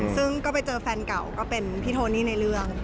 ซึ่งก็ไปเจอแฟนเก่าก็เป็นพี่โทนี่ในเรื่อง